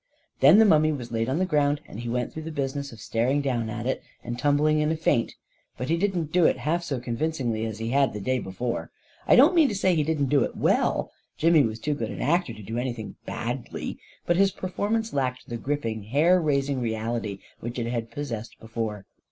Then the mummy was laid on the ground, and he went through the business of staring down at it, and tumbling in a faint; but he didn't do it half so con vincingly as he had the day before ! I don't mean to say he didn't do it well — Jimmy was too good an actor to do anything badly — but his perform ance lacked the gripping, hair raising reality which it had possessed before.